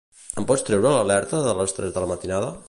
Em pots treure l'alerta de les tres de la matinada?